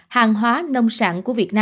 hàng hóa nông sản